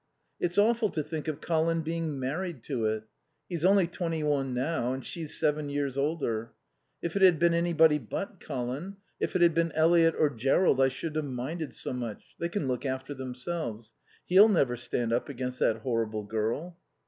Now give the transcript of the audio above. "It's awful to think of Colin being married to it. He's only twenty one now, and she's seven years older. If it had been anybody but Colin. If it had been Eliot or Jerrold I shouldn't have minded so much. They can look after themselves. He'll never stand up against that horrible girl."